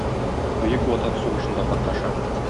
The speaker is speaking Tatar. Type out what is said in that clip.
Бөек Ватан сугышында катнаша.